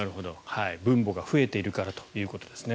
分母が増えているからということですね。